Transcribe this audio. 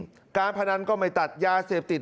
เพราะฉะนั้นก็ไม่ตัดยาเสพติด